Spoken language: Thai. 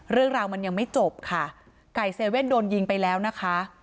เรื่องราวมันยังไม่จบค่ะไก่เซเว่นโดนยิงไปแล้วนะคะ